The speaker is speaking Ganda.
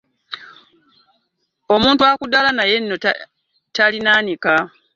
Omuntu akudaala naye nno talinaanika.